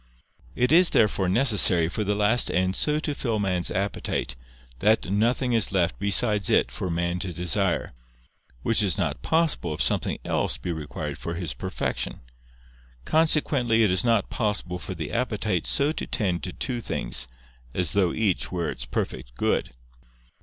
It is therefore necessary for the last end so to fill man's appetite, that nothing is left besides it for man to desire. Which is not possible, if something else be required for his perfection. Consequently it is not possible for the appetite so to tend to two things, as though each were its perfect good.